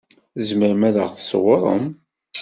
Tzemrem ad ɣ-d-tṣewṛem?